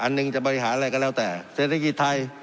หนึ่งจะบริหารอะไรก็แล้วแต่เศรษฐกิจไทย